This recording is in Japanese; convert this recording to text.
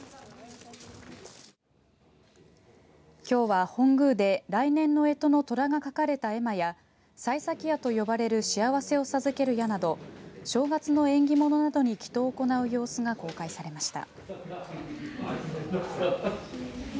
きょうは本宮で来年のえとのとらが描かれた絵馬や幸先矢と呼ばれる幸せを授ける矢など正月の縁起物など祈とうを行う様子が公開されました。